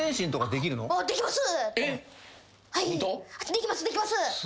できますできます。